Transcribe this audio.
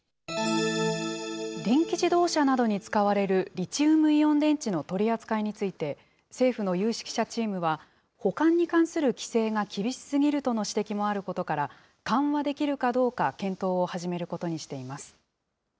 電気自動車などに使われるリチウムイオン電池の取り扱いについて、政府の有識者チームは、保管に関する規制が厳しすぎるとの指摘もあることから、緩和できるかどうか検討を始めることにしています。